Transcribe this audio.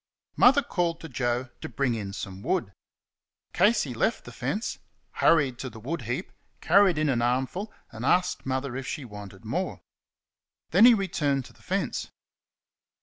Mother called to Joe to bring in some wood. Casey left the fence, hurried to the wood heap, carried in an armful, and asked Mother if she wanted more. Then he returned to the fence.